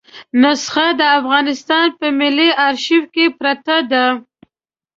نسخه د افغانستان په ملي آرشیف کې پرته ده.